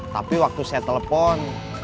tapi waktu saya telepon